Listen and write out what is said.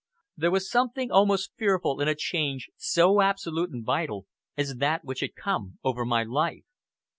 There was something almost fearful in a change so absolute and vital as that which had come over my life.